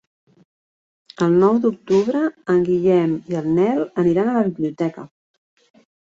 El nou d'octubre en Guillem i en Nel aniran a la biblioteca.